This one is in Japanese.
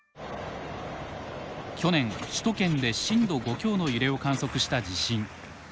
去年首都圏で震度５強の揺れを観測した地震。